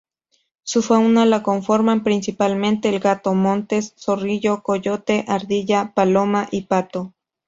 Su fauna la conforman principalmente el gato montes, zorrillo, coyote, ardilla, paloma y pato.